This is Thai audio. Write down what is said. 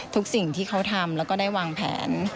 สิ่งที่เขาทำแล้วก็ได้วางแผน